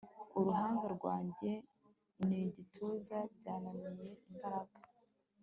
Uruhanga rwanjye nigituza byananiye imbaraga